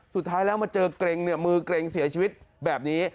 สุดท้ายแล้วมาเจอเกร็งเนี่ยมือเกร็งเสียชีวิตแบบนี้